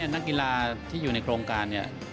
นักกีฬาที่อยู่ในโครงการเนี่ย